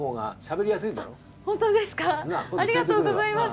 ありがとうございます。